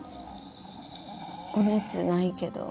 お熱ないけど。